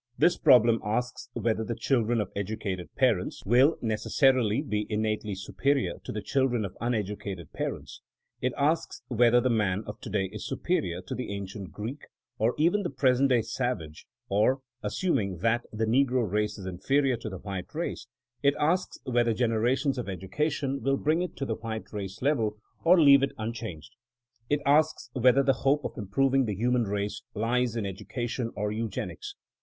This problem asks whether the children of educated parents will necessarily be innately superior to the children of uneducated parents ; it asks whether the man of today is superior to the ancient Greek, or even the present day savage ; or, assuming that the negro race is inferior to the white race, it asks whether generations of education will bring it to the white race level or leave it un changed ; it asks whether the hope of improving the human race lies in education or eugenics.